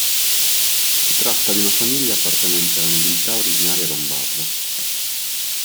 Si tratta di una famiglia appartenente alla nobiltà originaria lombarda.